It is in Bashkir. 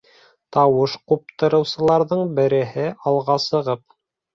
Тауыш ҡуптарыусыларҙың береһе алға сығып: